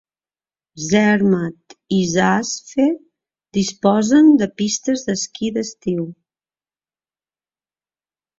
Zermatt i Saas-Fee disposen de pistes d'esquí d'estiu.